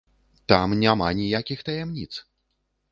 Там няма ніякіх таямніц!